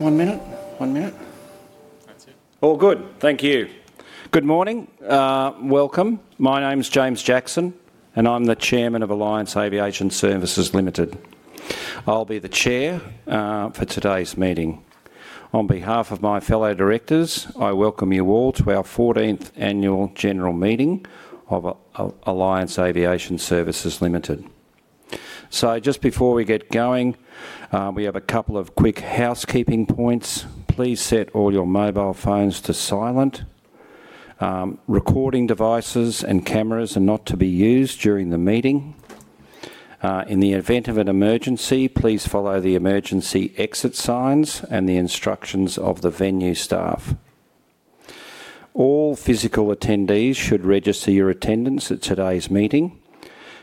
Good morning. Welcome. My name is James Jackson, and I'm the Chairman of Alliance Aviation Services Limited. I'll be the Chair for today's meeting. On behalf of my fellow directors, I welcome you all to our 14th Annual General Meeting of Alliance Aviation Services Limited. Just before we get going, we have a couple of quick housekeeping points. Please set all your mobile phones to silent. Recording devices and cameras are not to be used during the meeting. In the event of an emergency, please follow the emergency exit signs and the instructions of the venue staff. All physical attendees should register your attendance at today's meeting.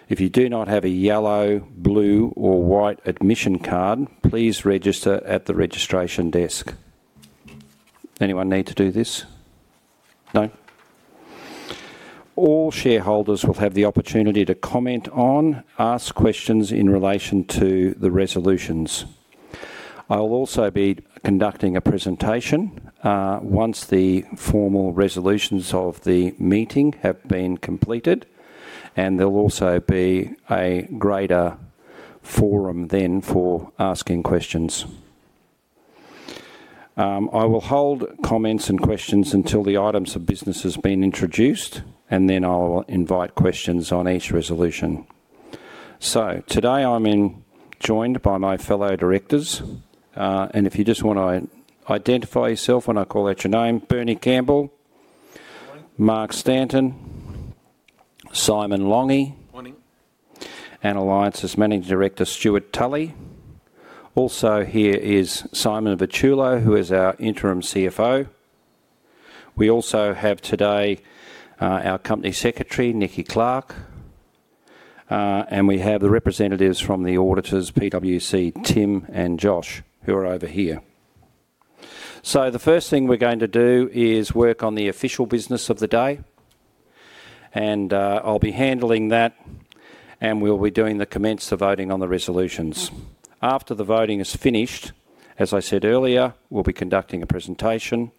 If you do not have a yellow, blue, or white admission card, please register at the registration desk. Anyone need to do this? No? All shareholders will have the opportunity to comment on, ask questions in relation to the resolutions. I will also be conducting a presentation once the formal resolutions of the meeting have been completed, and there'll also be a greater forum then for asking questions. I will hold comments and questions until the items of business have been introduced, and then I'll invite questions on each resolution. Today I'm joined by my fellow directors, and if you just want to identify yourself when I call out your name, Bernie Campbell, Mark Stanton, Simon Lange Good morning Alliance's Managing Director, Stewart Tully. Also here is Simon Vitulo, who is our Interim CFO. We also have today our Company Secretary, Nikki Clark, and we have the representatives from the auditors, PwC, Tim and Josh, who are over here. The first thing we are going to do is work on the official business of the day, and I will be handling that, and we will be doing the commencement voting on the resolutions. After the voting is finished, as I said earlier, we will be conducting a presentation,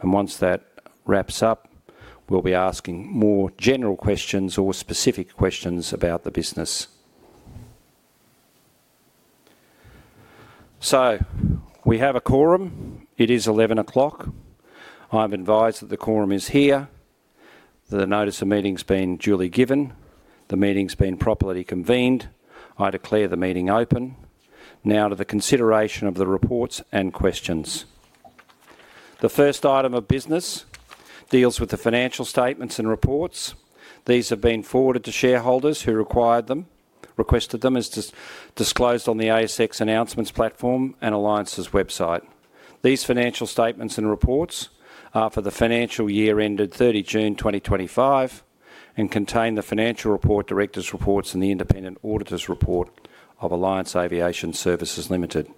and once that wraps up, we will be asking more general questions or specific questions about the business. We have a quorum. It is 11:00 A.M. I am advised that the quorum is here. The notice of meeting has been duly given. The meeting has been properly convened. I declare the meeting open. Now to the consideration of the reports and questions. The first item of business deals with the financial statements and reports. These have been forwarded to shareholders who required them, requested them as disclosed on the ASX announcements platform and Alliance's website. These financial statements and reports are for the financial year ended 30 June 2025 and contain the financial report, director's reports, and the independent auditor's report of Alliance Aviation Services Limited.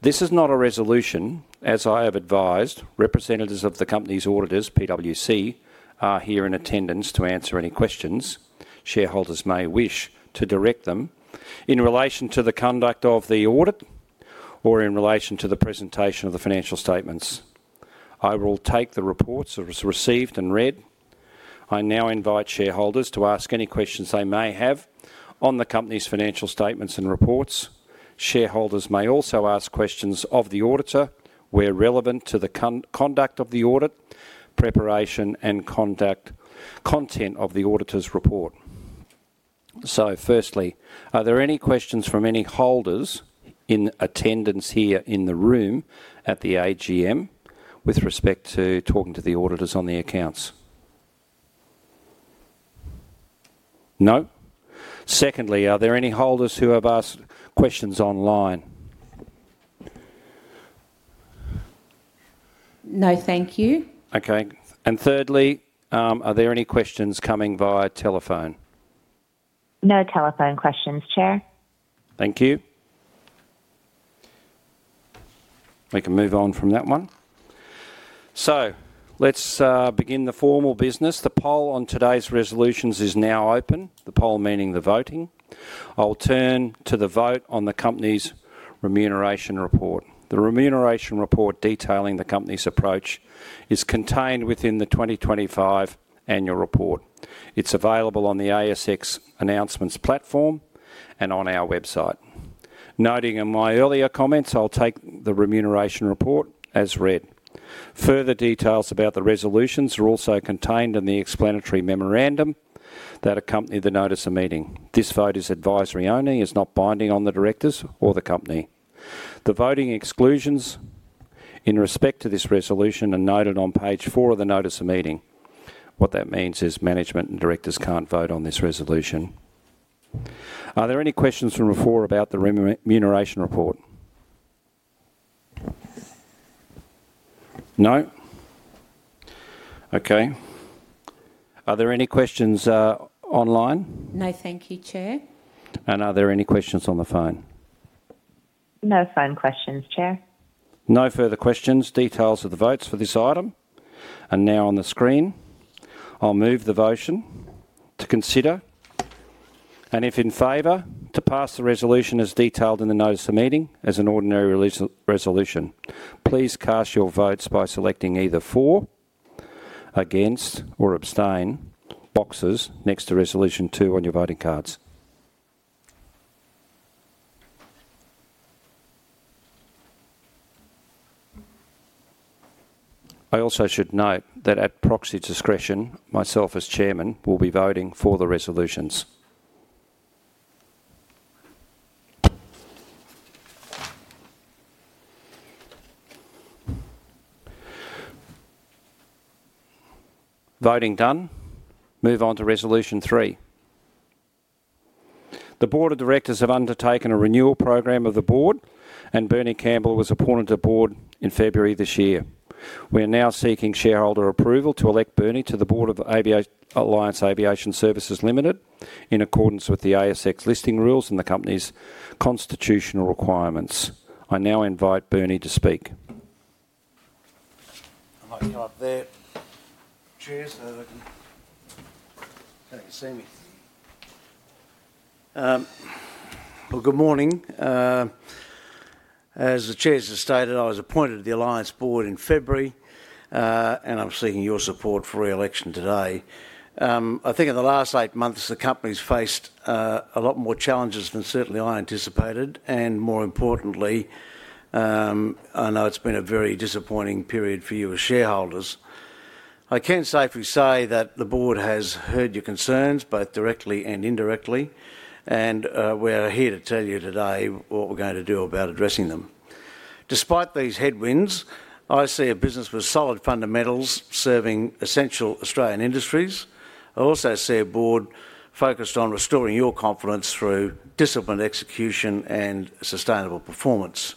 This is not a resolution, as I have advised. Representatives of the company's auditors, PwC, are here in attendance to answer any questions shareholders may wish to direct them in relation to the conduct of the audit or in relation to the presentation of the financial statements. I will take the reports as received and read. I now invite shareholders to ask any questions they may have on the company's financial statements and reports. Shareholders may also ask questions of the auditor where relevant to the conduct of the audit, preparation, and content of the auditor's report. Firstly, are there any questions from any holders in attendance here in the room at the AGM with respect to talking to the auditors on the accounts? No? Secondly, are there any holders who have asked questions online? No, thank you. Okay. Thirdly, are there any questions coming via telephone? No telephone questions, Chair. Thank you. We can move on from that one. Let's begin the formal business. The poll on today's resolutions is now open, the poll meaning the voting. I'll turn to the vote on the company's remuneration report. The remuneration report detailing the company's approach is contained within the 2025 annual report. It's available on the ASX announcements platform and on our website. Noting in my earlier comments, I'll take the remuneration report as read. Further details about the resolutions are also contained in the explanatory memorandum that accompanied the notice of meeting. This vote is advisory only, is not binding on the directors or the company. The voting exclusions in respect to this resolution are noted on page four of the notice of meeting. What that means is management and directors can't vote on this resolution. Are there any questions from before about the remuneration report? No? Okay. Are there any questions online? No, thank you, Chair. Are there any questions on the phone? No phone questions, Chair. No further questions. Details of the votes for this item are now on the screen. I'll move the motion to consider, and if in favor, to pass the resolution as detailed in the notice of meeting as an ordinary resolution. Please cast your votes by selecting either for, against, or abstain boxes next to resolution two on your voting cards. I also should note that at proxy discretion, myself as Chairman will be voting for the resolutions. Voting done. Move on to resolution three. The Board of Directors have undertaken a renewal program of the board, and Bernie Campbell was appointed to the board in February this year. We are now seeking shareholder approval to elect Bernie to the board of Alliance Aviation Services Limited in accordance with the ASX listing rules and the company's constitutional requirements. I now invite Bernie to speak. I might come up there. Chairs, I hope you can see me. Good morning. As the Chairs have stated, I was appointed to the Alliance board in February, and I'm seeking your support for re-election today. I think in the last eight months, the company's faced a lot more challenges than certainly I anticipated, and more importantly, I know it's been a very disappointing period for you as shareholders. I can safely say that the board has heard your concerns both directly and indirectly, and we're here to tell you today what we're going to do about addressing them. Despite these headwinds, I see a business with solid fundamentals serving essential Australian industries. I also see a board focused on restoring your confidence through disciplined execution and sustainable performance.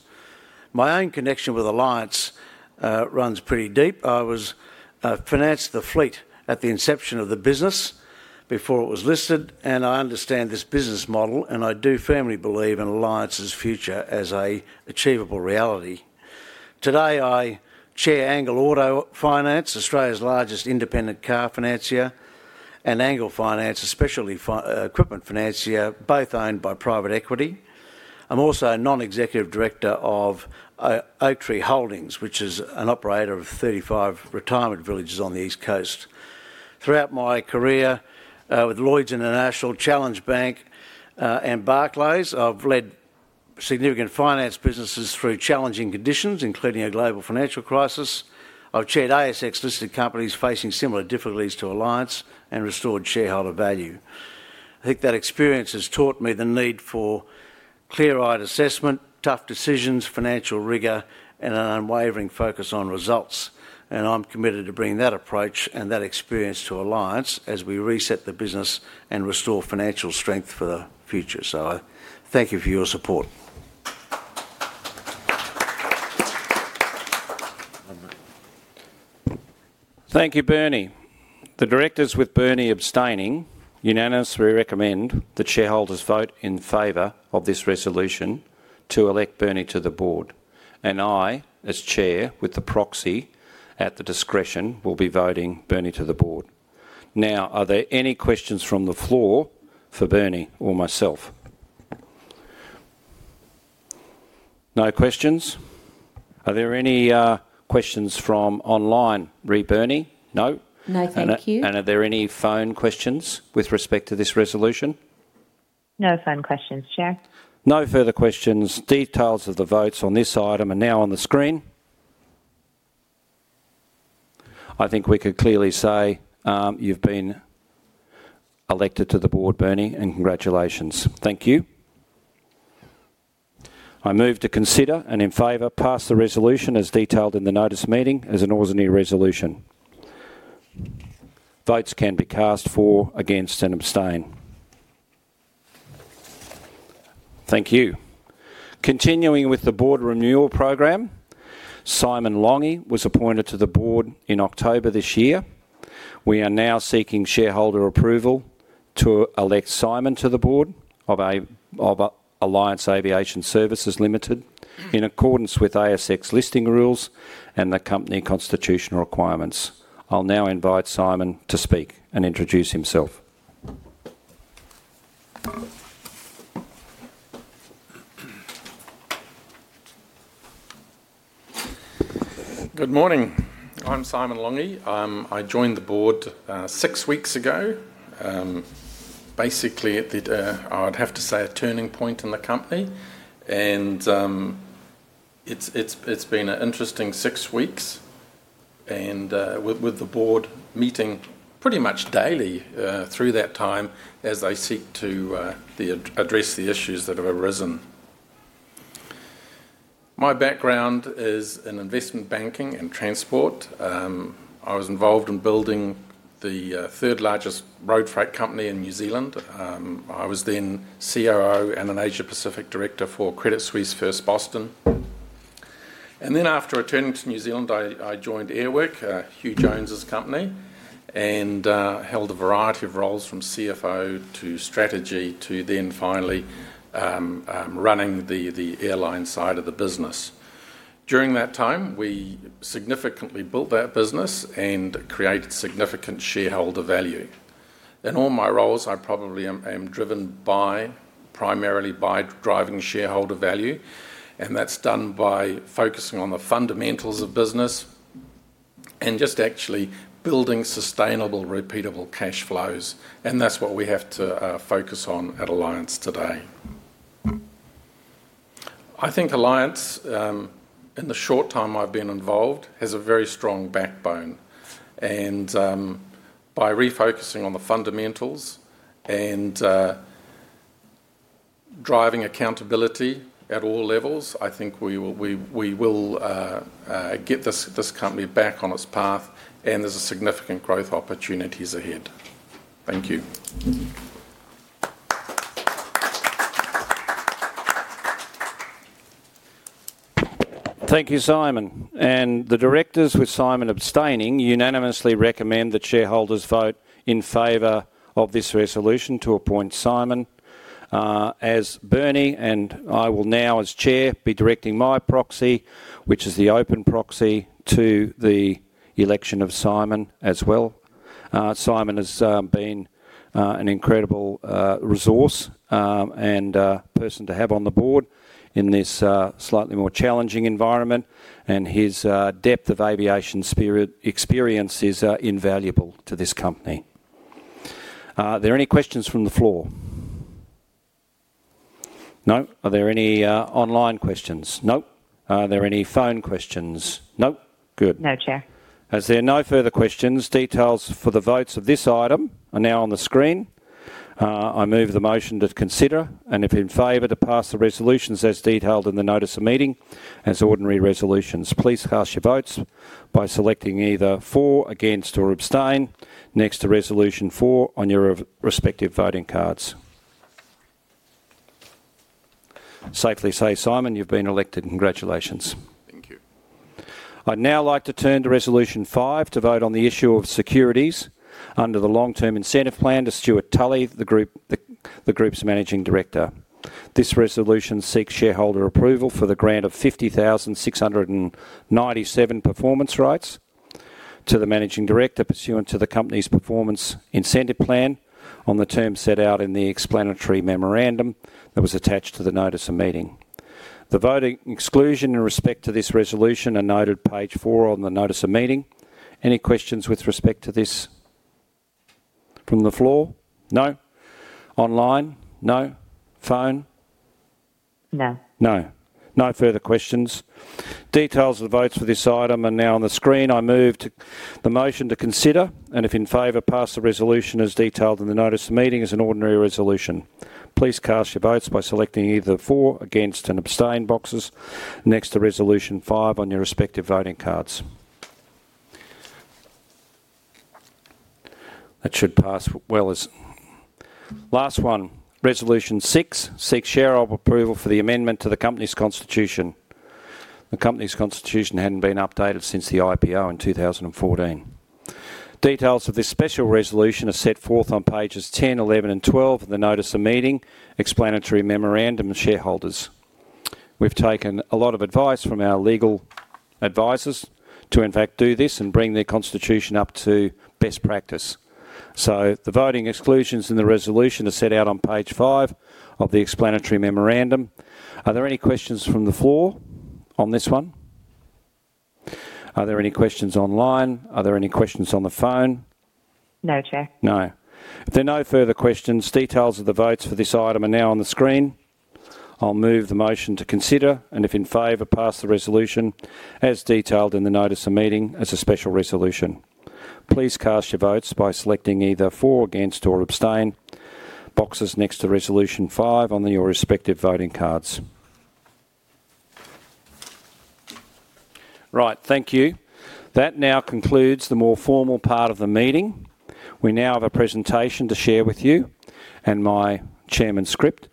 My own connection with Alliance runs pretty deep. I was financed the fleet at the inception of the business before it was listed, and I understand this business model, and I do firmly believe in Alliance's future as an achievable reality. Today, I chair Angle Auto Finance, Australia's largest independent car financier, and Angle Finance, a specialty equipment financier, both owned by private equity. I'm also a non-executive director of Oaktree Holdings, which is an operator of 35 retirement villages on the East Coast. Throughout my career with Lloyd's International, Challenge Bank, and Barclays, I've led significant finance businesses through challenging conditions, including a global financial crisis. I've chaired ASX-listed companies facing similar difficulties to Alliance and restored shareholder value. I think that experience has taught me the need for clear-eyed assessment, tough decisions, financial rigor, and an unwavering focus on results, and I'm committed to bringing that approach and that experience to Alliance as we reset the business and restore financial strength for the future. I thank you for your support. Thank you, Bernie. The directors, with Bernie abstaining, unanimously recommend that shareholders vote in favor of this resolution to elect Bernie to the board, and I, as Chair, with the proxy at the discretion, will be voting Bernie to the board. Now, are there any questions from the floor for Bernie or myself? No questions. Are there any questions from online? Re Bernie? No? No, thank you. Are there any phone questions with respect to this resolution? No phone questions, Chair. No further questions. Details of the votes on this item are now on the screen. I think we can clearly say you've been elected to the board, Bernie, and congratulations. Thank you. I move to consider and, in favor, pass the resolution as detailed in the notice meeting as an ordinary resolution. Votes can be cast for, against, and abstain. Thank you. Continuing with the board renewal program, Simon Lange was appointed to the board in October this year. We are now seeking shareholder approval to elect Simon to the board of Alliance Aviation Services Limited in accordance with ASX listing rules and the company constitutional requirements. I'll now invite Simon to speak and introduce himself. Good morning. I'm Simon Lange. I joined the board six weeks ago, basically at the, I'd have to say, a turning point in the company, and it's been an interesting six weeks, with the board meeting pretty much daily through that time as they seek to address the issues that have arisen. My background is in investment banking and transport. I was involved in building the third largest road freight company in New Zealand. I was then COO and an Asia-Pacific director for Credit Suisse First Boston. After returning to New Zealand, I joined Airwork, Hugh Jones's company, and held a variety of roles from CFO to strategy to then finally running the airline side of the business. During that time, we significantly built that business and created significant shareholder value. In all my roles, I probably am driven primarily by driving shareholder value, and that's done by focusing on the fundamentals of business and just actually building sustainable, repeatable cash flows, and that's what we have to focus on at Alliance today. I think Alliance, in the short time I've been involved, has a very strong backbone, and by refocusing on the fundamentals and driving accountability at all levels, I think we will get this company back on its path, and there's significant growth opportunities ahead. Thank you. Thank you, Simon. The directors, with Simon abstaining, unanimously recommend that shareholders vote in favor of this resolution to appoint Simon as Bernie, and I will now, as Chair, be directing my proxy, which is the open proxy, to the election of Simon as well. Simon has been an incredible resource and person to have on the board in this slightly more challenging environment, and his depth of aviation experience is invaluable to this company. Are there any questions from the floor? No? Are there any online questions? Nope. Are there any phone questions? Nope. Good. No, Chair. As there are no further questions, details for the votes of this item are now on the screen. I move the motion to consider and, if in favor, to pass the resolutions as detailed in the notice of meeting as ordinary resolutions. Please cast your votes by selecting either for, against, or abstain next to resolution four on your respective voting cards. Safely say, Simon, you've been elected. Congratulations. Thank you. I'd now like to turn to resolution five to vote on the issue of securities under the long-term incentive plan to Stewart Tully, the group's Managing Director. This resolution seeks shareholder approval for the grant of 50,697 performance rights to the Managing Director pursuant to the company's performance incentive plan on the terms set out in the explanatory memorandum that was attached to the notice of meeting. The voting exclusion in respect to this resolution are noted page four on the notice of meeting. Any questions with respect to this from the floor? No? Online? No? Phone? No. No. No further questions. Details of the votes for this item are now on the screen. I move the motion to consider, and if in favor, pass the resolution as detailed in the notice of meeting as an ordinary resolution. Please cast your votes by selecting either for, against, or abstain boxes next to resolution five on your respective voting cards. That should pass as well. Last one, resolution six seeks shareholder approval for the amendment to the company's constitution. The company's constitution had not been updated since the IPO in 2014. Details of this special resolution are set forth on pages 10, 11, and 12 of the notice of meeting, explanatory memorandum, and shareholders. We have taken a lot of advice from our legal advisors to, in fact, do this and bring the constitution up to best practice. The voting exclusions in the resolution are set out on page five of the explanatory memorandum. Are there any questions from the floor on this one? Are there any questions online? Are there any questions on the phone? No, Chair. No. If there are no further questions, details of the votes for this item are now on the screen. I'll move the motion to consider, and if in favor, pass the resolution as detailed in the notice of meeting as a special resolution. Please cast your votes by selecting either for, against, or abstain boxes next to resolution five on your respective voting cards. Right, thank you. That now concludes the more formal part of the meeting. We now have a presentation to share with you and my Chairman's script,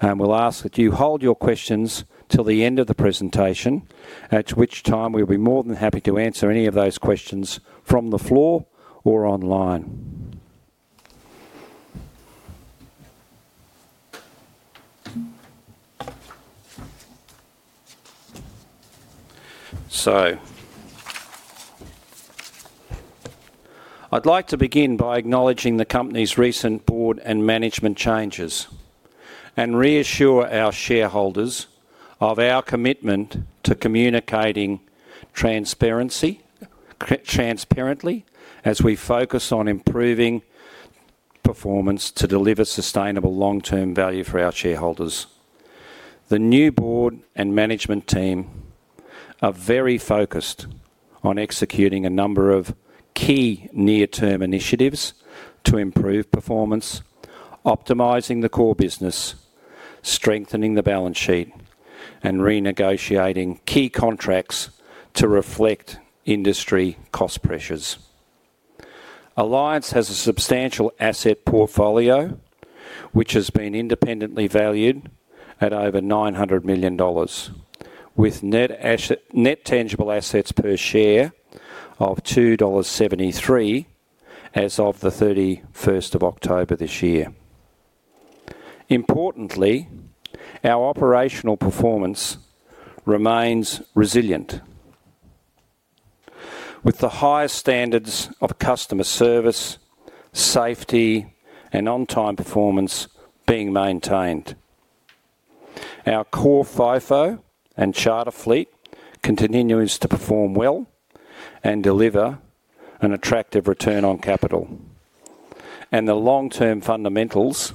and we'll ask that you hold your questions till the end of the presentation, at which time we'll be more than happy to answer any of those questions from the floor or online. I would like to begin by acknowledging the company's recent board and management changes and reassure our shareholders of our commitment to communicating transparently as we focus on improving performance to deliver sustainable long-term value for our shareholders. The new board and management team are very focused on executing a number of key near-term initiatives to improve performance, optimizing the core business, strengthening the balance sheet, and renegotiating key contracts to reflect industry cost pressures. Alliance has a substantial asset portfolio which has been independently valued at over 900 million dollars, with net tangible assets per share of 2.73 dollars as of the 31st of October this year. Importantly, our operational performance remains resilient, with the highest standards of customer service, safety, and on-time performance being maintained. Our core FIFO and charter fleet continues to perform well and deliver an attractive return on capital, and the long-term fundamentals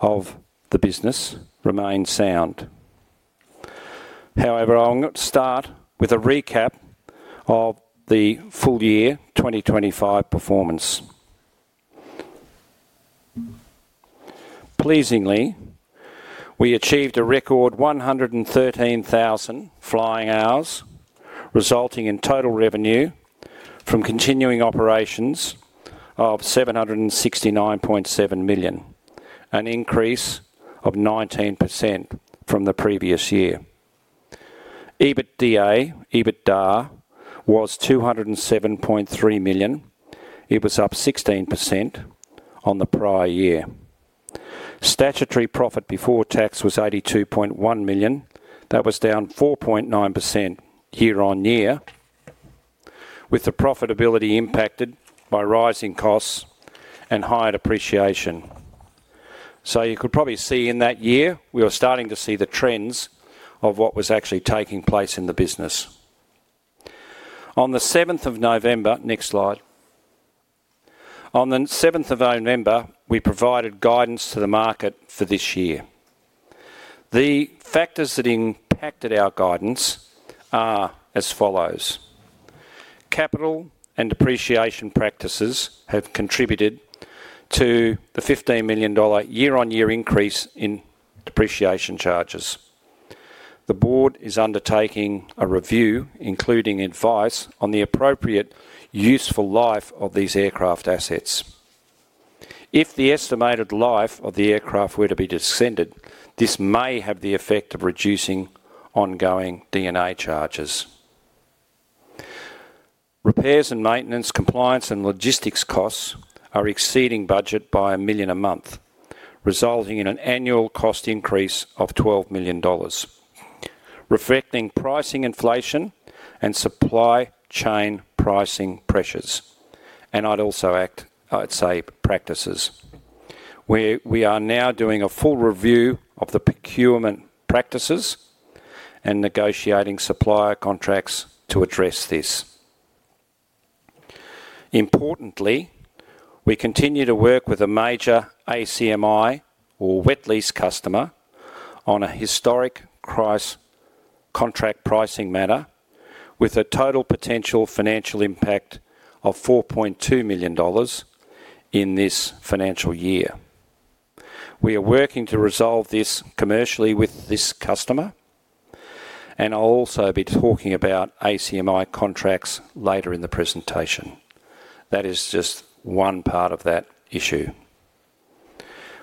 of the business remain sound. However, I'll start with a recap of the full year 2025 performance. Pleasingly, we achieved a record 113,000 flying hours, resulting in total revenue from continuing operations of 769.7 million, an increase of 19% from the previous year. EBITDA was 207.3 million. It was up 16% on the prior year. Statutory profit before tax was 82.1 million. That was down 4.9% year on year, with the profitability impacted by rising costs and higher depreciation. You could probably see in that year we were starting to see the trends of what was actually taking place in the business. On the 7th of November, next slide. On the 7th of November, we provided guidance to the market for this year. The factors that impacted our guidance are as follows. Capital and depreciation practices have contributed to the 15 million dollar year-on-year increase in depreciation charges. The board is undertaking a review, including advice on the appropriate use for life of these aircraft assets. If the estimated life of the aircraft were to be descended, this may have the effect of reducing ongoing D&A charges. Repairs and maintenance, compliance, and logistics costs are exceeding budget by 1 million a month, resulting in an annual cost increase of 12 million dollars, reflecting pricing inflation and supply chain pricing pressures. I'd also add, I'd say, practices. We are now doing a full review of the procurement practices and negotiating supplier contracts to address this. Importantly, we continue to work with a major ACMI or wet lease customer on a historic contract pricing matter with a total potential financial impact of 4.2 million dollars in this financial year. We are working to resolve this commercially with this customer, and I'll also be talking about ACMI contracts later in the presentation. That is just one part of that issue.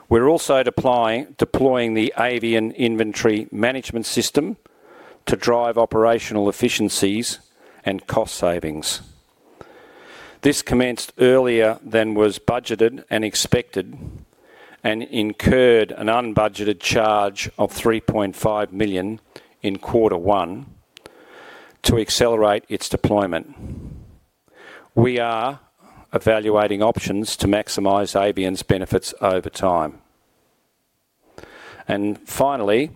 We are also deploying the Avian Inventory Management System to drive operational efficiencies and cost savings. This commenced earlier than was budgeted and expected and incurred an unbudgeted charge of 3.5 million in quarter one to accelerate its deployment. We are evaluating options to maximize Avian's benefits over time. Finally,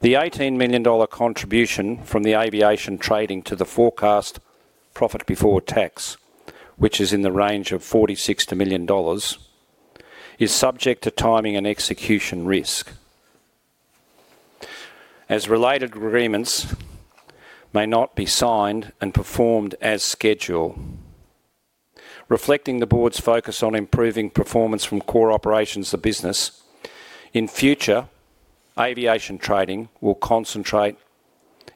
the 18 million dollar contribution from the aviation trading to the forecast profit before tax, which is in the range of 46 million dollars, is subject to timing and execution risk. As related agreements may not be signed and performed as scheduled, reflecting the board's focus on improving performance from core operations of the business, in future, aviation trading will concentrate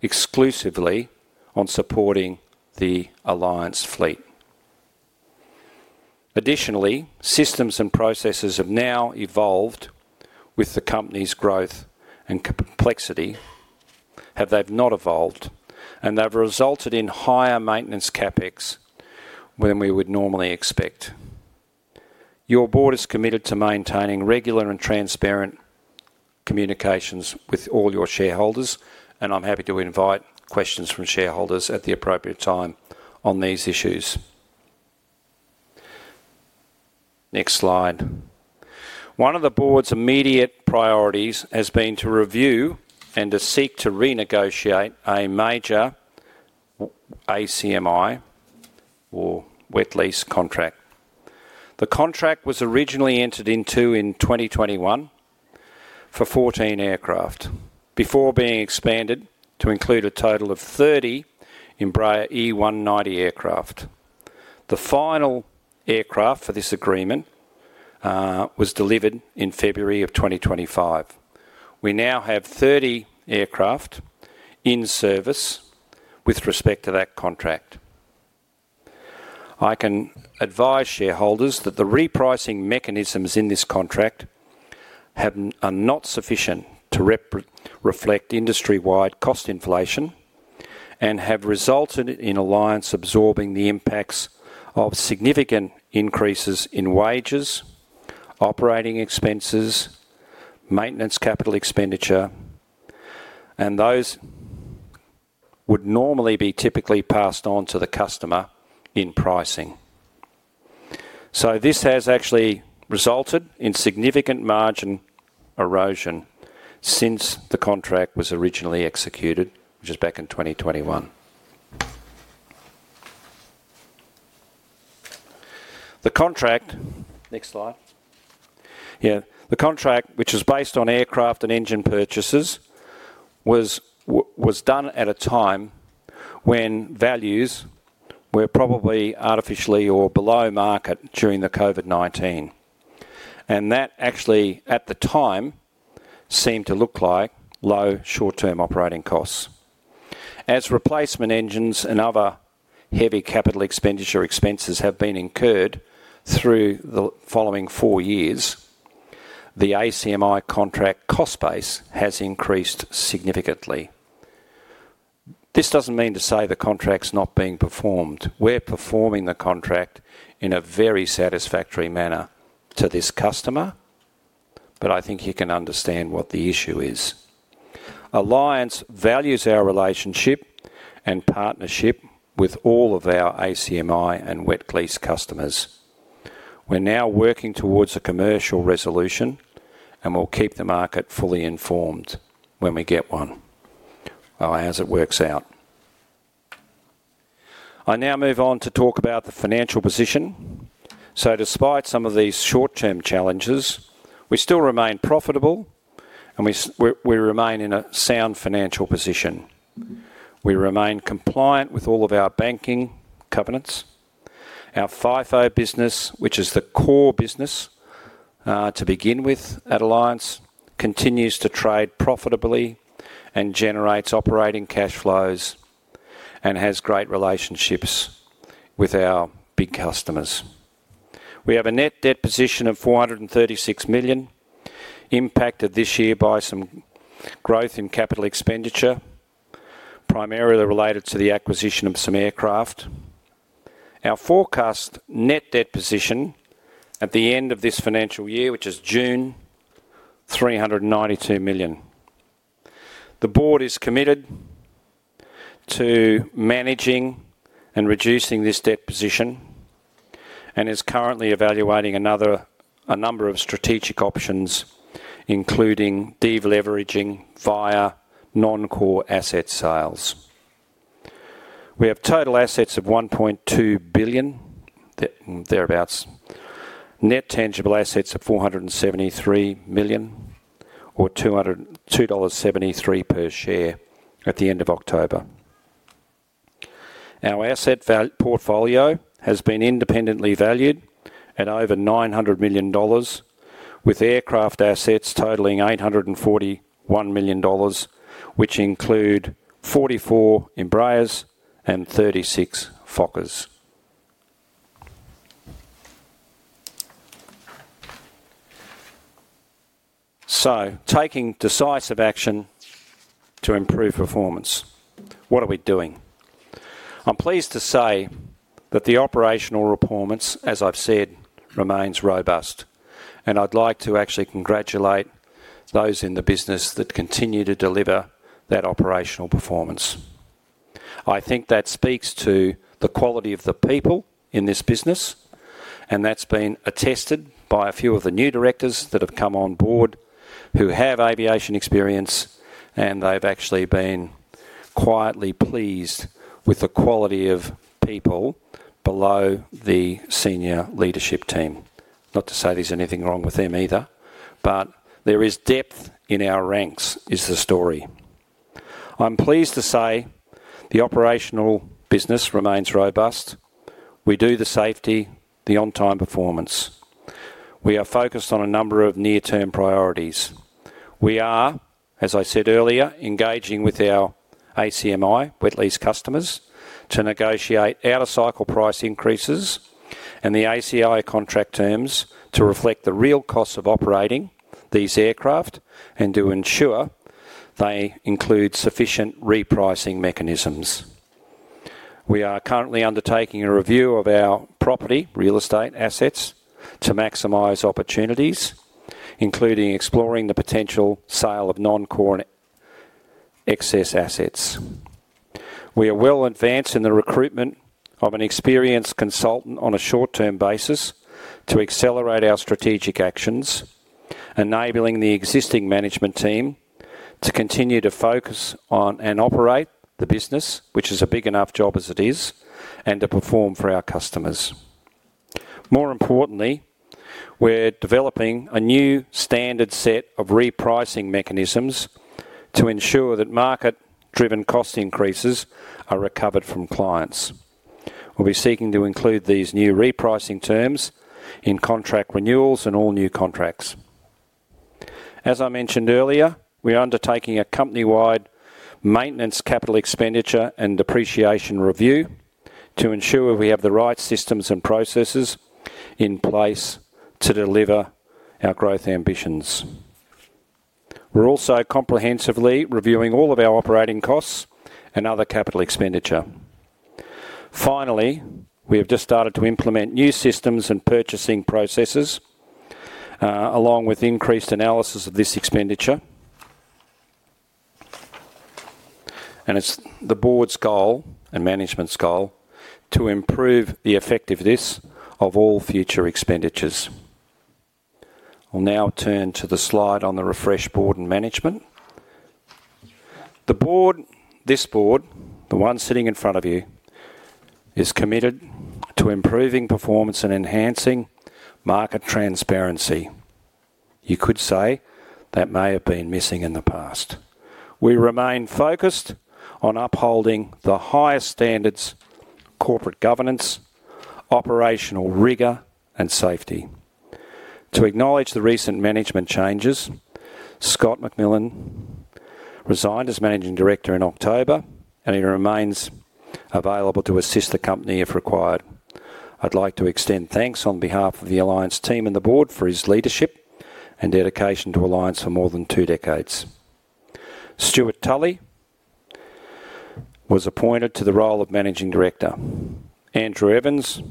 exclusively on supporting the Alliance fleet. Additionally, systems and processes have now evolved with the company's growth and complexity. Had they not evolved, they would have resulted in higher maintenance CapEx than we would normally expect. Your board is committed to maintaining regular and transparent communications with all your shareholders, and I'm happy to invite questions from shareholders at the appropriate time on these issues. Next slide. One of the board's immediate priorities has been to review and to seek to renegotiate a major ACMI or wet lease contract. The contract was originally entered into in 2021 for 14 aircraft before being expanded to include a total of 30 Embraer E190 aircraft. The final aircraft for this agreement was delivered in February of 2025. We now have 30 aircraft in service with respect to that contract. I can advise shareholders that the repricing mechanisms in this contract are not sufficient to reflect industry-wide cost inflation and have resulted in Alliance absorbing the impacts of significant increases in wages, operating expenses, maintenance capital expenditure, and those would normally be typically passed on to the customer in pricing. This has actually resulted in significant margin erosion since the contract was originally executed, which is back in 2021. The contract, next slide. Yeah, the contract, which was based on aircraft and engine purchases, was done at a time when values were probably artificially or below market during the COVID-19. That actually, at the time, seemed to look like low short-term operating costs. As replacement engines and other heavy capital expenditure expenses have been incurred through the following four years, the ACMI contract cost base has increased significantly. This does not mean to say the contract is not being performed. We are performing the contract in a very satisfactory manner to this customer, but I think you can understand what the issue is. Alliance values our relationship and partnership with all of our ACMI and wet lease customers. We are now working towards a commercial resolution, and we will keep the market fully informed when we get one, or as it works out. I now move on to talk about the financial position. Despite some of these short-term challenges, we still remain profitable, and we remain in a sound financial position. We remain compliant with all of our banking covenants. Our FIFO business, which is the core business to begin with at Alliance, continues to trade profitably and generates operating cash flows and has great relationships with our big customers. We have a net debt position of 436 million, impacted this year by some growth in capital expenditure, primarily related to the acquisition of some aircraft. Our forecast net debt position at the end of this financial year, which is June, is 392 million. The board is committed to managing and reducing this debt position and is currently evaluating a number of strategic options, including devaluing via non-core asset sales. We have total assets of 1.2 billion, thereabouts. Net tangible assets of 473 million or 2.73 dollars per share at the end of October. Our asset portfolio has been independently valued at over 900 million dollars, with aircraft assets totaling 841 million dollars, which include 44 Embraers and 36 Fokkers. Taking decisive action to improve performance. What are we doing? I'm pleased to say that the operational performance, as I've said, remains robust, and I'd like to actually congratulate those in the business that continue to deliver that operational performance. I think that speaks to the quality of the people in this business, and that's been attested by a few of the new directors that have come on board who have aviation experience, and they've actually been quietly pleased with the quality of people below the senior leadership team. Not to say there's anything wrong with them either, but there is depth in our ranks is the story. I'm pleased to say the operational business remains robust. We do the safety, the on-time performance. We are focused on a number of near-term priorities. We are, as I said earlier, engaging with our ACMI wet lease customers to negotiate out-of-cycle price increases and the ACMI contract terms to reflect the real cost of operating these aircraft and to ensure they include sufficient repricing mechanisms. We are currently undertaking a review of our property real estate assets to maximize opportunities, including exploring the potential sale of non-core excess assets. We are well advanced in the recruitment of an experienced consultant on a short-term basis to accelerate our strategic actions, enabling the existing management team to continue to focus on and operate the business, which is a big enough job as it is, and to perform for our customers. More importantly, we're developing a new standard set of repricing mechanisms to ensure that market-driven cost increases are recovered from clients. We'll be seeking to include these new repricing terms in contract renewals and all new contracts. As I mentioned earlier, we are undertaking a company-wide maintenance capital expenditure and depreciation review to ensure we have the right systems and processes in place to deliver our growth ambitions. We are also comprehensively reviewing all of our operating costs and other capital expenditure. Finally, we have just started to implement new systems and purchasing processes along with increased analysis of this expenditure. It is the board's goal and management's goal to improve the effectiveness of all future expenditures. I will now turn to the slide on the refresh board and management. This board, the one sitting in front of you, is committed to improving performance and enhancing market transparency. You could say that may have been missing in the past. We remain focused on upholding the highest standards, corporate governance, operational rigor, and safety. To acknowledge the recent management changes, Scott McMillan resigned as Managing Director in October, and he remains available to assist the company if required. I'd like to extend thanks on behalf of the Alliance team and the board for his leadership and dedication to Alliance for more than two decades. Stewart Tully was appointed to the role of Managing Director. Andrew Evans,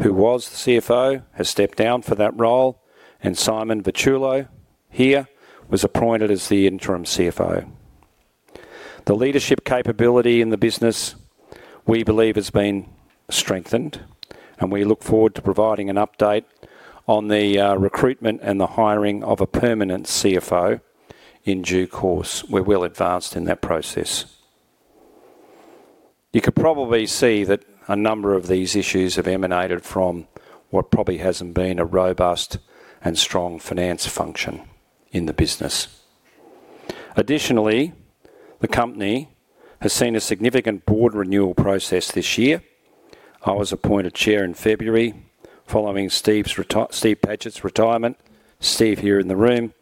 who was the CFO, has stepped down from that role, and Simon Vitulo here was appointed as the interim CFO. The leadership capability in the business, we believe, has been strengthened, and we look forward to providing an update on the recruitment and the hiring of a permanent CFO in due course. We will advance in that process. You could probably see that a number of these issues have emanated from what probably hasn't been a robust and strong finance function in the business. Additionally, the company has seen a significant board renewal process this year. I was appointed Chair in February following Steve Patchett's retirement. Steve is here in the room.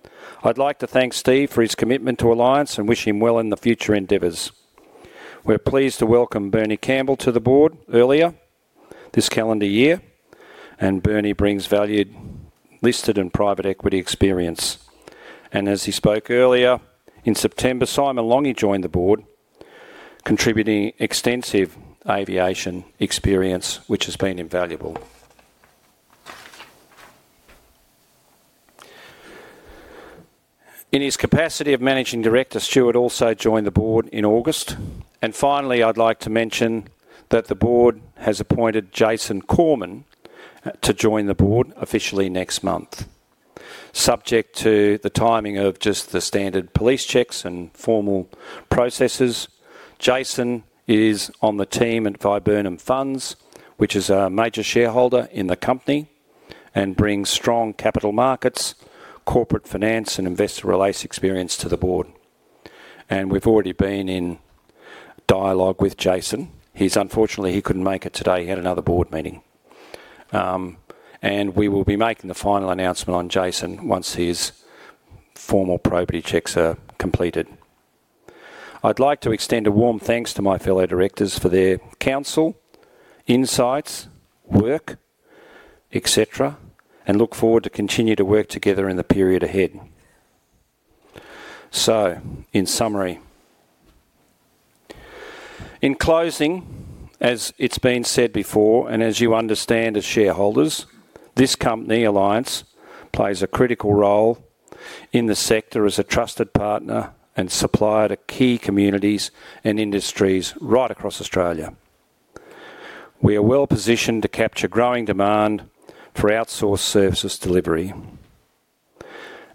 I'd like to thank Steve for his commitment to Alliance and wish him well in future endeavors. We're pleased to welcome Bernie Campbell to the board earlier this calendar year, and Bernie brings valued listed and private equity experience. As he spoke earlier, in September, Simon Lange joined the board, contributing extensive aviation experience, which has been invaluable. In his capacity of Managing Director, Stewart also joined the board in August. Finally, I'd like to mention that the board has appointed Jason Corman to join the board officially next month. Subject to the timing of just the standard police checks and formal processes, Jason is on the team at Viburnum Funds, which is a major shareholder in the company and brings strong capital markets, corporate finance, and investor relations experience to the board. We have already been in dialogue with Jason. Unfortunately, he could not make it today. He had another board meeting. We will be making the final announcement on Jason once his formal probity checks are completed. I would like to extend a warm thanks to my fellow directors for their counsel, insights, work, etc., and look forward to continue to work together in the period ahead. In summary, in closing, as it has been said before, and as you understand as shareholders, this company, Alliance, plays a critical role in the sector as a trusted partner and supplier to key communities and industries right across Australia. We are well positioned to capture growing demand for outsourced services delivery.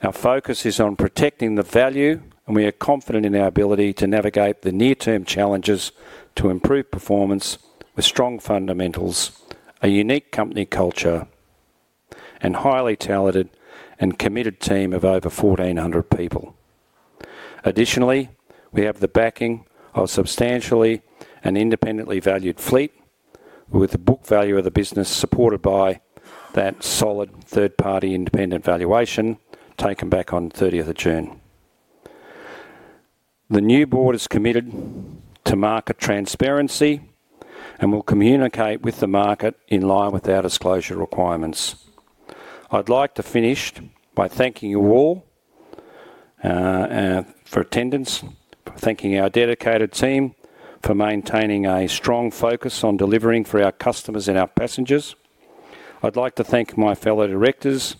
Our focus is on protecting the value, and we are confident in our ability to navigate the near-term challenges to improve performance with strong fundamentals, a unique company culture, and a highly talented and committed team of over 1,400 people. Additionally, we have the backing of a substantially and independently valued fleet, with the book value of the business supported by that solid third-party independent valuation taken back on the 30th of June. The new board is committed to market transparency and will communicate with the market in line with our disclosure requirements. I'd like to finish by thanking you all for attendance, thanking our dedicated team for maintaining a strong focus on delivering for our customers and our passengers. I'd like to thank my fellow directors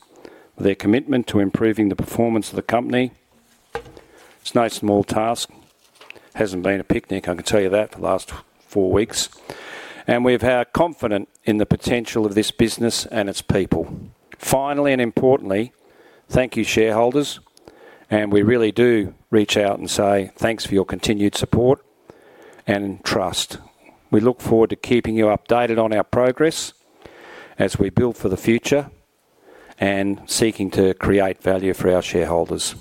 for their commitment to improving the performance of the company. It's no small task. It hasn't been a picnic, I can tell you that, for the last four weeks. We have had confidence in the potential of this business and its people. Finally and importantly, thank you, shareholders, and we really do reach out and say thanks for your continued support and trust. We look forward to keeping you updated on our progress as we build for the future and seeking to create value for our shareholders.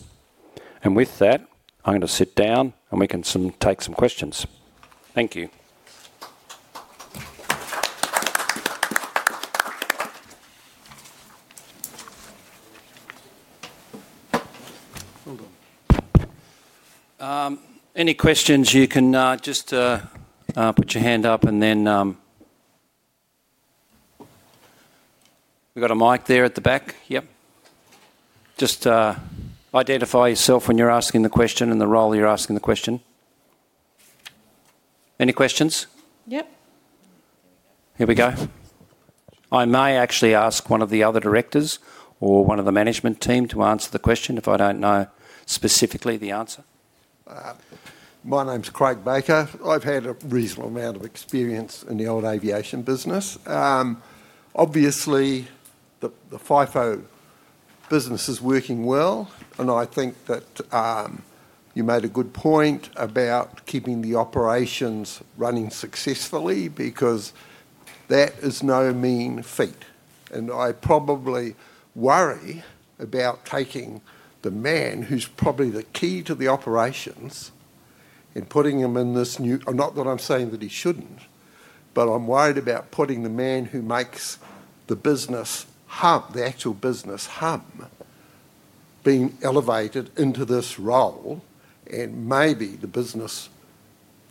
With that, I'm going to sit down and we can take some questions. Thank you. Any questions, you can just put your hand up and then we have a mic there at the back. Yes. Just identify yourself when you're asking the question and the role you're asking the question. Any questions? Yes. Here we go. I may actually ask one of the other directors or one of the management team to answer the question if I do not know specifically the answer. My name's Craig Baker. I've had a reasonable amount of experience in the old aviation business. Obviously, the FIFO business is working well, and I think that you made a good point about keeping the operations running successfully because that is no mean feat. I probably worry about taking the man who's probably the key to the operations and putting him in this new, not that I'm saying that he shouldn't, but I'm worried about putting the man who makes the business hum, the actual business hum, being elevated into this role. Maybe the business,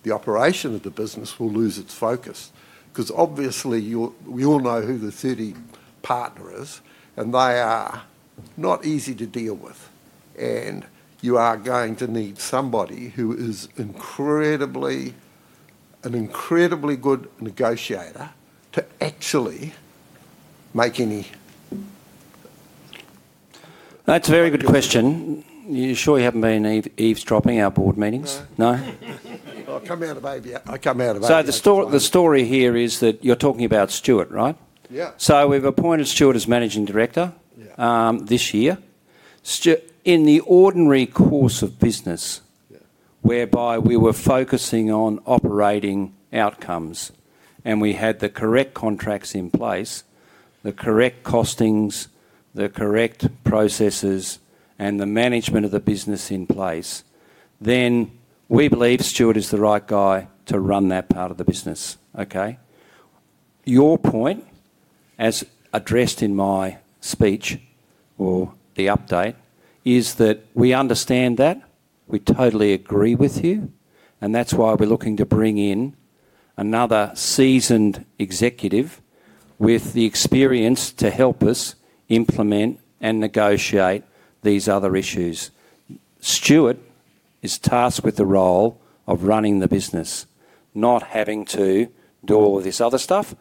the operation of the business will lose its focus because obviously we all know who the 30 partner is, and they are not easy to deal with. You are going to need somebody who is an incredibly good negotiator to actually make any. That's a very good question. You surely haven't been eavesdropping our board meetings? No. I come out of Idea. I come out of Idea. The story here is that you're talking about Stewart, right? Yeah. We have appointed Stewart as Managing Director this year. In the ordinary course of business whereby we were focusing on operating outcomes and we had the correct contracts in place, the correct costings, the correct processes, and the management of the business in place, then we believe Stewart is the right guy to run that part of the business. Okay? Your point, as addressed in my speech or the update, is that we understand that. We totally agree with you, and that's why we're looking to bring in another seasoned executive with the experience to help us implement and negotiate these other issues. Stewart is tasked with the role of running the business, not having to do all of this other stuff.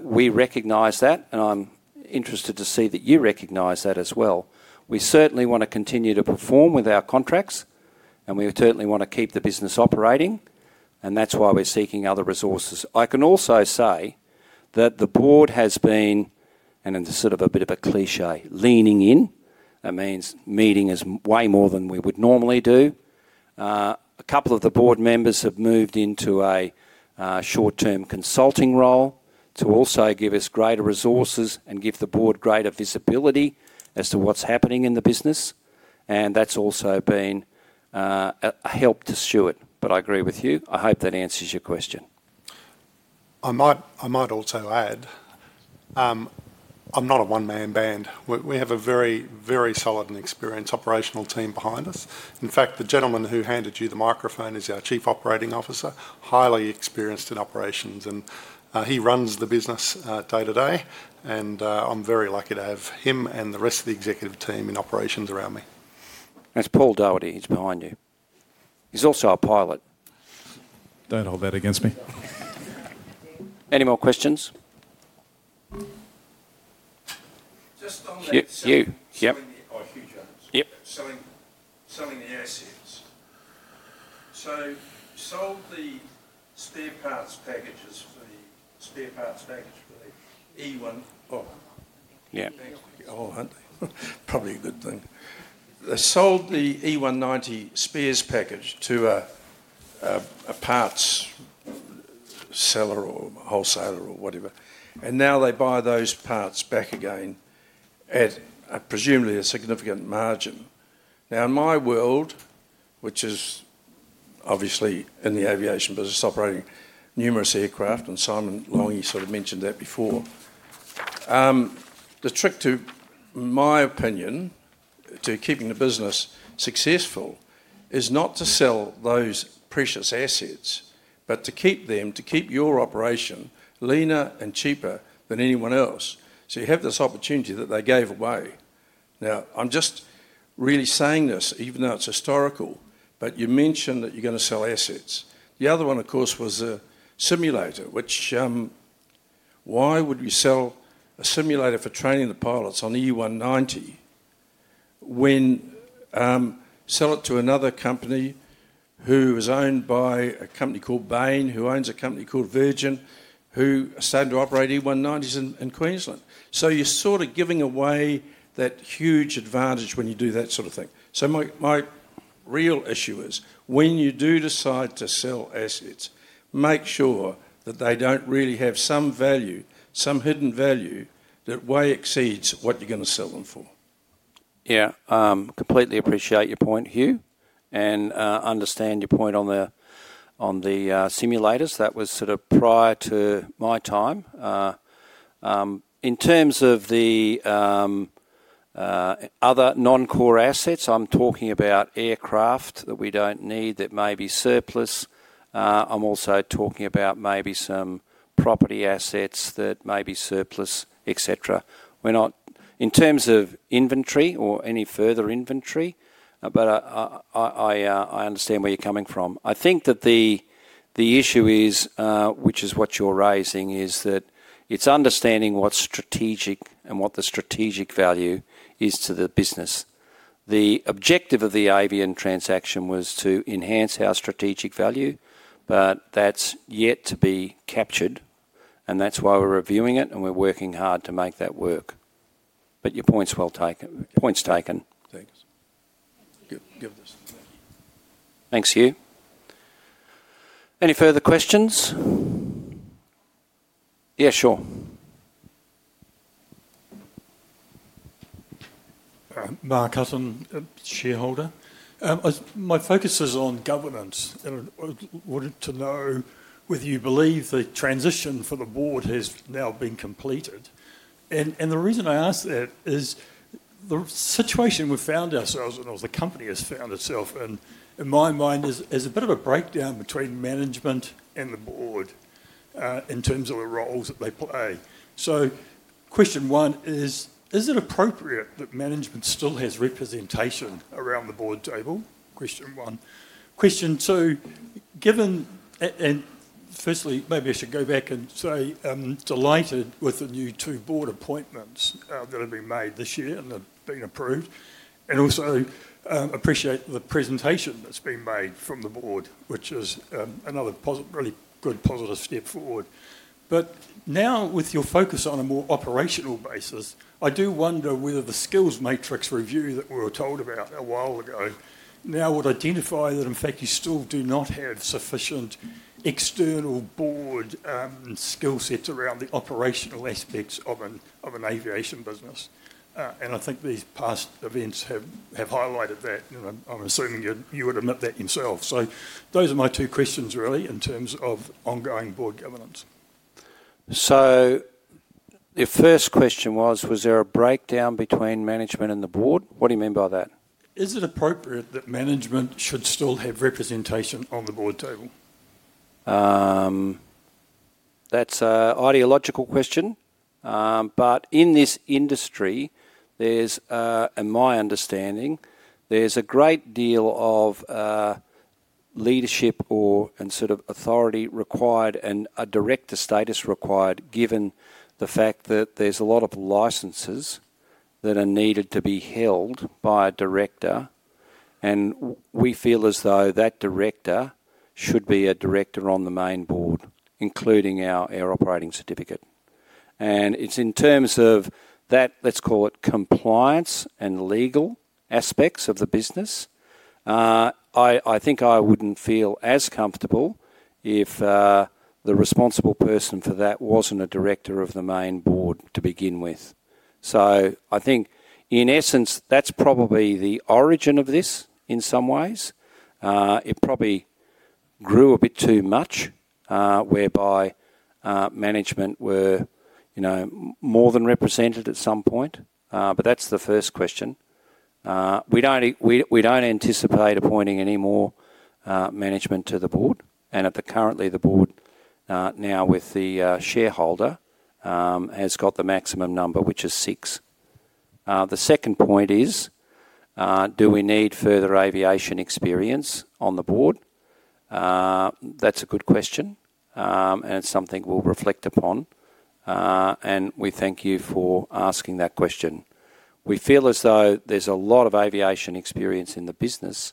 We recognize that, and I'm interested to see that you recognize that as well. We certainly want to continue to perform with our contracts, and we certainly want to keep the business operating, and that's why we're seeking other resources. I can also say that the board has been, and it's sort of a bit of a cliché, leaning in. That means meeting us way more than we would normally do. A couple of the board members have moved into a short-term consulting role to also give us greater resources and give the board greater visibility as to what's happening in the business. That's also been a help to Stewart, but I agree with you. I hope that answers your question. I might also add I'm not a one-man band. We have a very, very solid and experienced operational team behind us. In fact, the gentleman who handed you the microphone is our Chief Operating Officer, highly experienced in operations, and he runs the business day to day. I'm very lucky to have him and the rest of the executive team in operations around me. That's Paul Doherty. He's behind you. He's also a pilot. Don't hold that against me. Any more questions? Just on the— yep. Selling the air seals. Sold the spare parts packages for the spare parts package for the E190. Yeah. Oh, huh. Probably a good thing. They sold the E190 spares package to a parts seller or wholesaler or whatever. Now they buy those parts back again at presumably a significant margin. In my world, which is obviously in the aviation business operating numerous aircraft, and Simon Lange sort of mentioned that before, the trick, to my opinion, to keeping the business successful is not to sell those precious assets, but to keep them, to keep your operation leaner and cheaper than anyone else. You have this opportunity that they gave away. I am just really saying this even though it is historical, but you mentioned that you are going to sell assets. The other one, of course, was a simulator, which why would we sell a simulator for training the pilots on the E190 when sell it to another company who is owned by a company called Bain, who owns a company called Virgin, who are starting to operate E190s in Queensland? You are sort of giving away that huge advantage when you do that sort of thing. My real issue is when you do decide to sell assets, make sure that they do not really have some value, some hidden value that way exceeds what you are going to sell them for. Yeah. Completely appreciate your point here. And understand your point on the simulators. That was sort of prior to my time. In terms of the other non-core assets, I am talking about aircraft that we do not need that may be surplus .I'm also talking about maybe some property assets that may be surplus, etc. In terms of inventory or any further inventory, I understand where you're coming from. I think that the issue is, which is what you're raising, is that it's understanding what's strategic and what the strategic value is to the business. The objective of the Avian transaction was to enhance our strategic value, but that's yet to be captured. That's why we're reviewing it, and we're working hard to make that work. Your point's well taken. Thanks. Thanks. Thanks to you. Any further questions? Yeah, sure. Mark Hutton, shareholder. My focus is on governance and wanted to know whether you believe the transition for the board has now been completed. The reason I ask that is the situation we found ourselves in, or the company has found itself in, in my mind, is a bit of a breakdown between management and the board in terms of the roles that they play. Question one is, is it appropriate that management still has representation around the board table? Question one. Question two, given and firstly, maybe I should go back and say delighted with the new two board appointments that have been made this year and have been approved. I also appreciate the presentation that's been made from the board, which is another really good positive step forward. Now with your focus on a more operational basis, I do wonder whether the skills matrix review that we were told about a while ago now would identify that, in fact, you still do not have sufficient external board skill sets around the operational aspects of an aviation business. I think these past events have highlighted that, and I'm assuming you would admit that yourself. Those are my two questions really in terms of ongoing board governance. Your first question was, was there a breakdown between management and the board? What do you mean by that? Is it appropriate that management should still have representation on the board table? That's an ideological question. In this industry, in my understanding, there's a great deal of leadership or sort of authority required and a director status required given the fact that there's a lot of licenses that are needed to be held by a director. We feel as though that director should be a director on the main board, including our air operating certificate. It's in terms of that, let's call it compliance and legal aspects of the business. I think I wouldn't feel as comfortable if the responsible person for that wasn't a director of the main board to begin with. I think, in essence, that's probably the origin of this in some ways. It probably grew a bit too much whereby management were more than represented at some point. That's the first question. We don't anticipate appointing any more management to the board. Currently, the board now with the shareholder has got the maximum number, which is six. The second point is, do we need further aviation experience on the board? That's a good question, and it's something we'll reflect upon. We thank you for asking that question. We feel as though there's a lot of aviation experience in the business,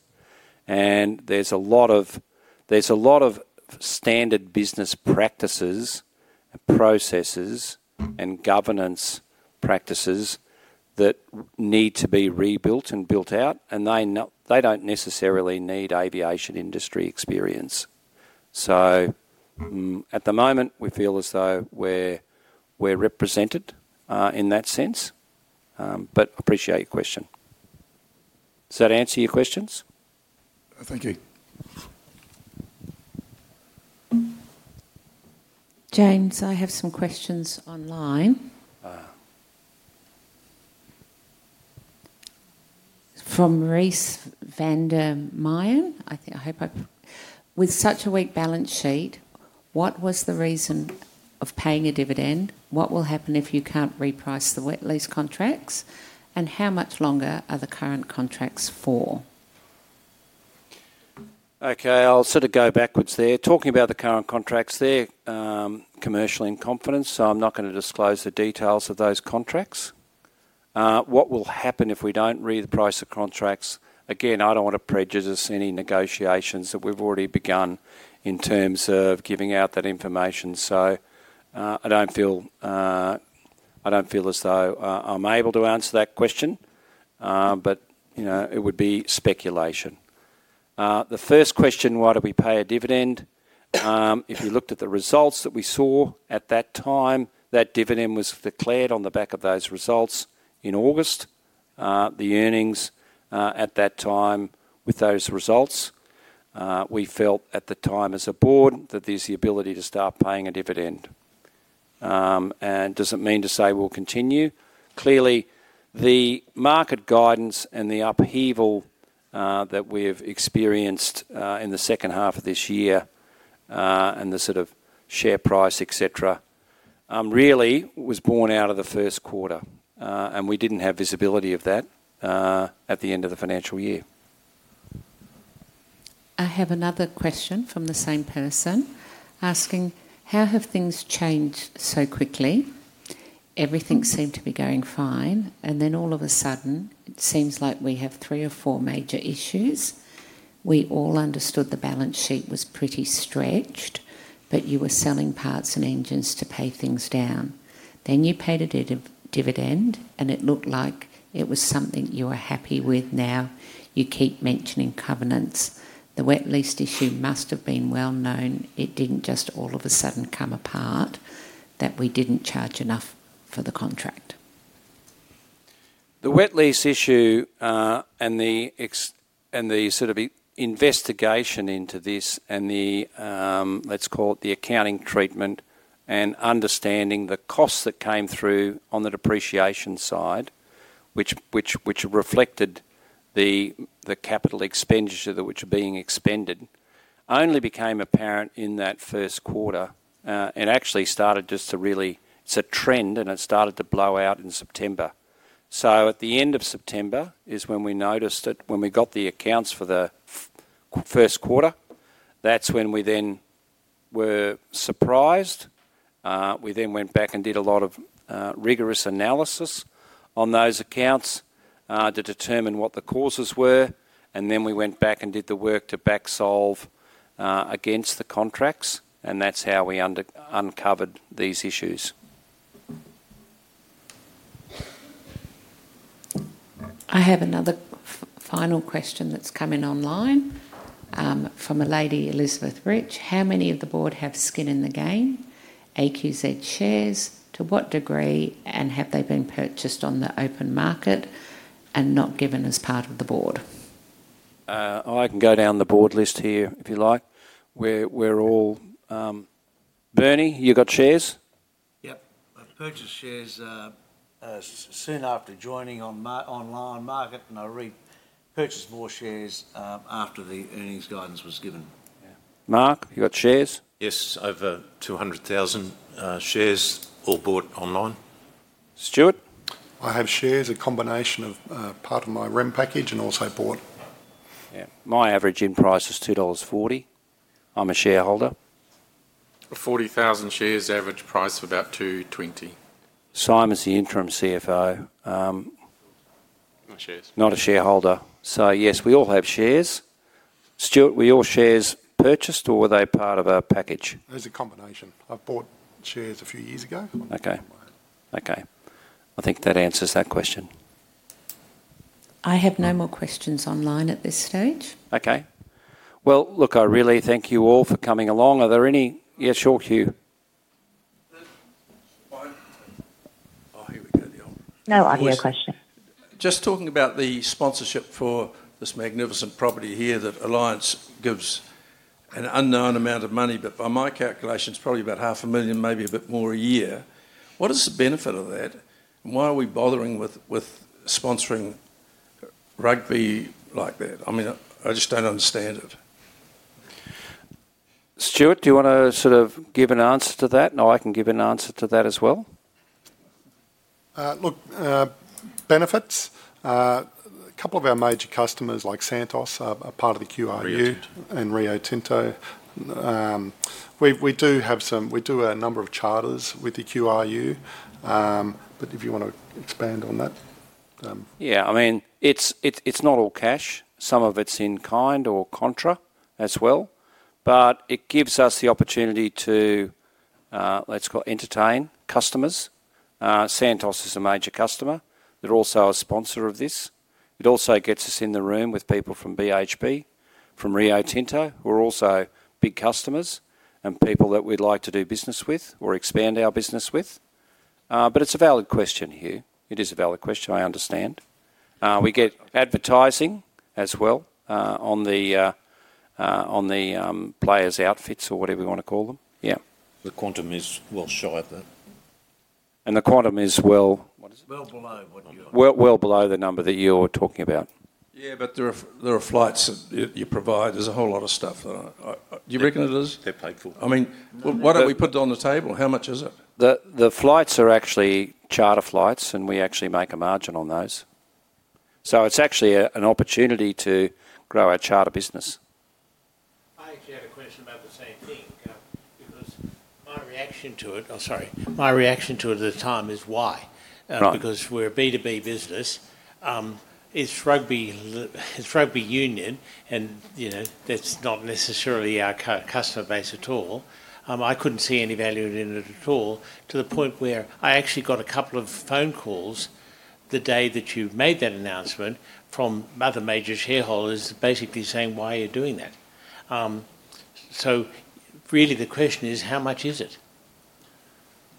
and there's a lot of standard business practices and processes and governance practices that need to be rebuilt and built out. They don't necessarily need aviation industry experience. At the moment, we feel as though we're represented in that sense. Appreciate your question. Does that answer your questions? Thank you. James, I have some questions online. From Rhys Vandermeyen. I hope I've—with such a weak balance sheet, what was the reason of paying a dividend? What will happen if you can't reprice the lease contracts? How much longer are the current contracts for? Okay. I'll sort of go backwards there. Talking about the current contracts, they're commercially in confidence, so I'm not going to disclose the details of those contracts. What will happen if we don't reprice the contracts? Again, I don't want to prejudice any negotiations that we've already begun in terms of giving out that information. I don't feel as though I'm able to answer that question, but it would be speculation. The first question, why do we pay a dividend? If you looked at the results that we saw at that time, that dividend was declared on the back of those results in August. The earnings at that time with those results, we felt at the time as a board that there's the ability to start paying a dividend. Does it mean to say we'll continue? Clearly, the market guidance and the upheaval that we've experienced in the second half of this year and the sort of share price, etc., really was born out of the first quarter, and we didn't have visibility of that at the end of the financial year. I have another question from the same person asking, how have things changed so quickly? Everything seemed to be going fine, and then all of a sudden, it seems like we have three or four major issues. We all understood the balance sheet was pretty stretched, but you were selling parts and engines to pay things down. Then you paid a dividend, and it looked like it was something you were happy with. Now you keep mentioning covenants. The wet lease issue must have been well known. It didn't just all of a sudden come apart that we didn't charge enough for the contract. The wet lease issue and the sort of investigation into this and the, let's call it the accounting treatment and understanding the costs that came through on the depreciation side, which reflected the capital expenditure that which are being expended, only became apparent in that first quarter. It actually started just to really, it's a trend, and it started to blow out in September. At the end of September is when we noticed it, when we got the accounts for the first quarter. That's when we then were surprised. We then went back and did a lot of rigorous analysis on those accounts to determine what the causes were. We then went back and did the work to back solve against the contracts, and that's how we uncovered these issues. I have another final question that's coming online from a lady, Elizabeth Rich. How many of the board have skin in the game, AQZ shares? To what degree, and have they been purchased on the open market and not given as part of the board? I can go down the board list here if you like. We're all Bernie, you got shares? Yep. I purchased shares soon after joining online market, and I purchased more shares after the earnings guidance was given. Mark, you got shares? Yes. Over 200,000 shares, all bought online. Stewart I have shares, a combination of part of my rent package and also bought. Yeah. My average in price is $2.40. I'm a shareholder. 40,000 shares, average price for about $2.20. Simon's the interim CFO. Not a shareholder. So yes, we all have shares. Stewart, were your shares purchased, or were they part of a package? It was a combination. I bought shares a few years ago. Okay. Okay. I think that answers that question. I have no more questions online at this stage. Okay. I really thank you all for coming along. Are there any? Yeah, sure, Q. Oh, here we go. The old. No, I have a question. Just talking about the sponsorship for this magnificent property here that Alliance gives an unknown amount of money, but by my calculations, probably about $500,000, maybe a bit more a year. What is the benefit of that? And why are we bothering with sponsoring rugby like that? I mean, I just do not understand it. Stewart, do you want to sort of give an answer to that? No, I can give an answer to that as well. Benefits. A couple of our major customers like Santos are part of the QRU and Rio Tinto. We do have some, we do a number of charters with the QRU. If you want to expand on that, yeah. I mean, it's not all cash. Some of it's in kind or contra as well. It gives us the opportunity to, let's call it, entertain customers. Santos is a major customer. They're also a sponsor of this. It also gets us in the room with people from BHP, from Rio Tinto, who are also big customers and people that we'd like to do business with or expand our business with. It is a valid question here. It is a valid question, I understand. We get advertising as well on the players' outfits or whatever we want to call them. The quantum is, sure, I bet. The quantum is, what is it? Well below what you're, well below the number that you're talking about. Yeah, but there are flights that you provide. There's a whole lot of stuff. Do you reckon it is? They're paid for. I mean, what have we put on the table? How much is it? The flights are actually charter flights, and we actually make a margin on those. It is actually an opportunity to grow our charter business. I actually had a question about the same thing because my reaction to it, I'm sorry, my reaction to it at the time is why? Because we're a B2B business. It's Rugby Union, and that's not necessarily our customer base at all. I couldn't see any value in it at all to the point where I actually got a couple of phone calls the day that you made that announcement from other major shareholders basically saying, "Why are you doing that?" Really the question is, how much is it?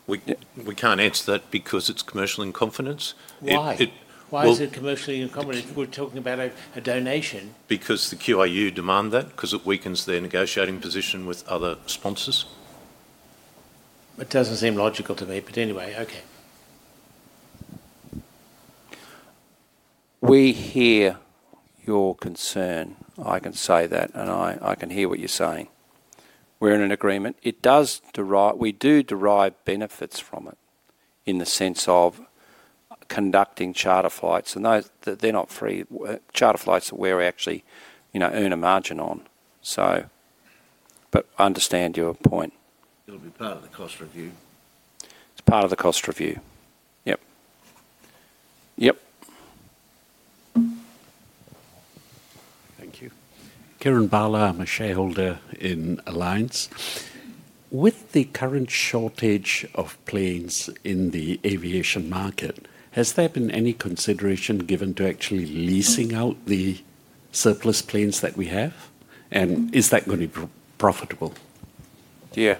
We can't answer that because it's commercially in confidence. Why? Why is it commercially in confidence? We're talking about a donation. Because the QRU demand that? Because it weakens their negotiating position with other sponsors? It doesn't seem logical to me, but anyway, okay. We hear your concern. I can say that, and I can hear what you're saying. We're in an agreement. It does derive, we do derive benefits from it in the sense of conducting charter flights. And they're not free charter flights that we're actually earning a margin on. I understand your point. It'll be part of the cost review. It's part of the cost review. Yep. Yep. Thank you. Kieran Barlow, I'm a shareholder in Alliance. With the current shortage of planes in the aviation market, has there been any consideration given to actually leasing out the surplus planes that we have? Is that going to be profitable? Yeah.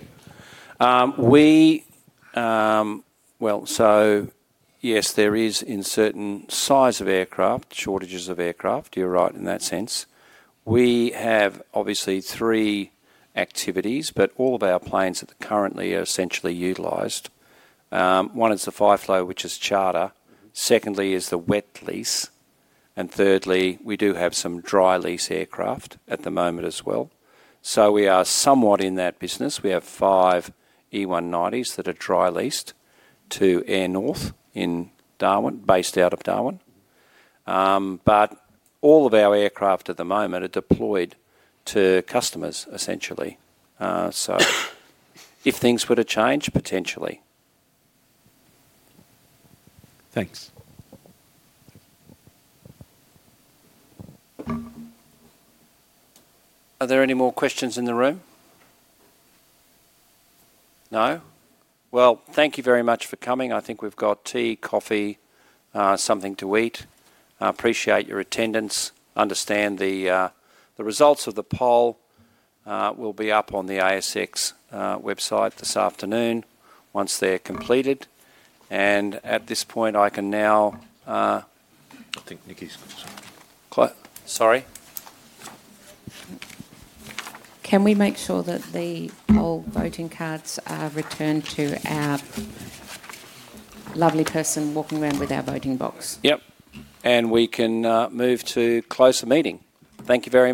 Yes, there is in certain size of aircraft, shortages of aircraft, you're right in that sense. We have obviously three activities, but all of our planes that currently are essentially utilized. One is the FIFO, which is charter. Secondly is the wet lease. Thirdly, we do have some dry lease aircraft at the moment as well. We are somewhat in that business. We have five E190s that are dry leased to Airnorth in Darwin, based out of Darwin. All of our aircraft at the moment are deployed to customers, essentially. If things were to change, potentially. Thanks. Are there any more questions in the room? No? Thank you very much for coming. I think we've got tea, coffee, something to eat. Appreciate your attendance. Understand the results of the poll will be up on the ASX website this afternoon once they're completed. At this point, I can now. I think Nikki's got some. Sorry. Can we make sure that the poll voting cards are returned to our lovely person walking around with our voting box? Yep. We can move to close the meeting. Thank you very much.